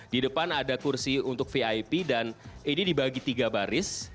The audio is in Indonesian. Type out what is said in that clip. di depan ada kursi untuk vip dan ini dibagi tiga baris